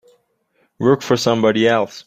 Work for somebody else.